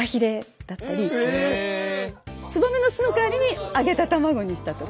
燕の巣の代わりに揚げた卵にしたとか。